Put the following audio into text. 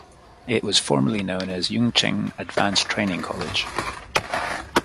It was formerly known as Yuncheng Advanced Training College.